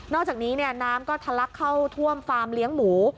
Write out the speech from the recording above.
อกจากนี้น้ำก็ทะลักเข้าท่วมฟาร์มเลี้ยงหมู